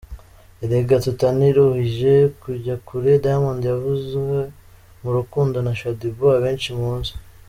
Erega tutaniruhije tujya kure, Diamond yavuzwe mu rukundo na Shaddy Boo abenshi muzi.